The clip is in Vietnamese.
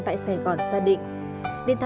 tại sài gòn xa định